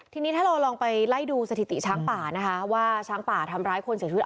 ทีนี้ถ้าเราลองไปไล่ดูสถิติช้างป่านะคะว่าช้างป่าทำร้ายคนเสียชีวิต